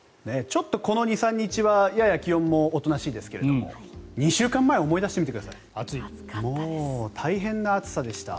ちょっとこの２３日はやや気温もおとなしいですが２週間前を思い出してみてください大変な暑さでした。